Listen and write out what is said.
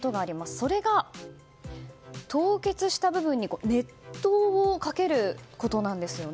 それが、凍結した部分に熱湯をかけることなんですよね。